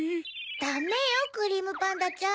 ダメよクリームパンダちゃん。